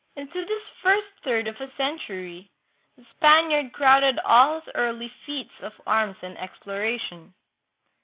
Into this first third of a century the Spaniard crowded all his early feats of arms and exploration.